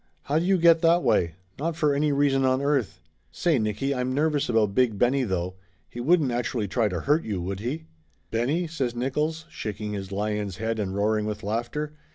"How do you get that way? Not for any reason on earth ! Say, Nicky, I'm nervous about Big Benny, though. He wouldn't actually try to hurt you, would he?" "Benny?" says Nickolls, shaking his lion's head and roaring with laughter.